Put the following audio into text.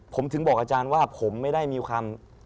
ผมถึงบอกอาจารย์ว่าผมไม่ได้มีความ